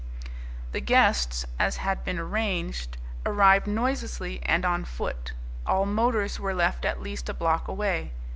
The guests, as had been arranged, arrived noiselessly and on foot. All motors were left at least a block away.